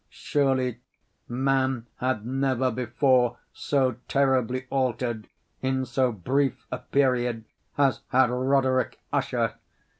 Surely, man had never before so terribly altered, in so brief a period, as had Roderick Usher!